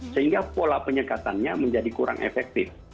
sehingga pola penyekatannya menjadi kurang efektif